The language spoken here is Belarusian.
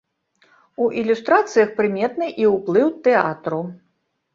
У ілюстрацыях прыметны і ўплыў тэатру.